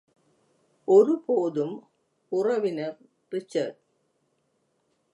ஒருபோதும், உறவினர் ரிச்சர்ட்!